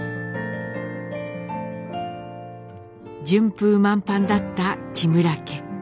順風満帆だった木村家。